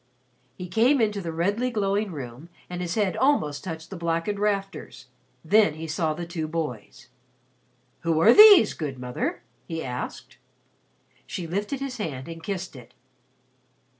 He came into the redly glowing room and his head almost touched the blackened rafters. Then he saw the two boys. "Who are these, good Mother?" he asked. She lifted his hand and kissed it.